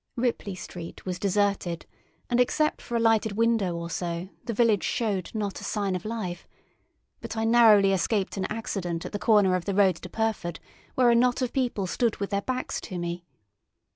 Ripley Street was deserted, and except for a lighted window or so the village showed not a sign of life; but I narrowly escaped an accident at the corner of the road to Pyrford, where a knot of people stood with their backs to me.